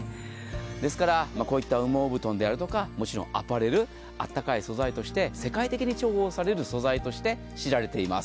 ですからこういった羽毛布団であるとかアパレル、あったかい素材として、世界的に重宝される素材として知られています。